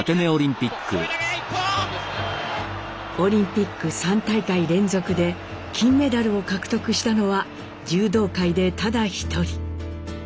オリンピック３大会連続で金メダルを獲得したのは柔道界でただ一人。